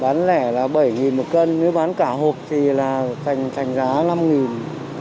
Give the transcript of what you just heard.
bán lẻ là bảy nghìn một cân nếu bán cả hộp thì là thành giá năm nghìn